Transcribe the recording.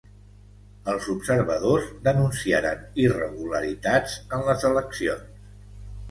Els observadors denunciaren irregularitats en les eleccions.